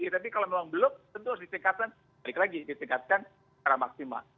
tapi kalau memang belum tentu harus disingkatkan balik lagi disingkatkan ke arah maksimal